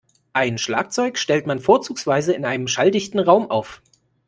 Ein Schlagzeug stellt man vorzugsweise in einem schalldichten Raum auf.